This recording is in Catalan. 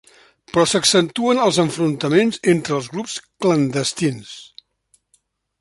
Però s'accentuen els enfrontaments entre els grups clandestins.